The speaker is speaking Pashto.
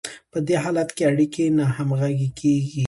په دې حالت کې اړیکې ناهمغږې کیږي.